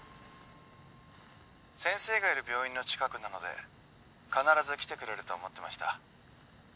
先生がいる病院の近くなので必ず来てくれると思ってました